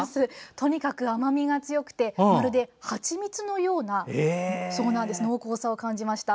とにかく甘みが強くてまるで、はちみつのような濃厚さを感じました。